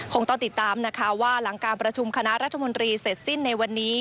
คงต้องติดตามนะคะว่าหลังการประชุมคณะรัฐมนตรีเสร็จสิ้นในวันนี้